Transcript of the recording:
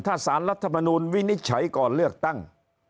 ถ้าสารรัฐมนูลวินิจฉัยก่อนเลือกตั้ง